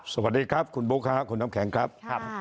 สวัสดีครับคุณบุ๊คค่ะคุณน้ำแข็งครับ